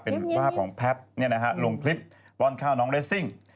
เป็นภาพของแพทย์ลงคลิปป้อนข้าวน้องเรสซิ่ง